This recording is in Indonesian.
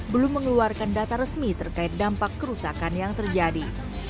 belum mengeluarkan data resmi terkait dampak kerusakan yang terjadi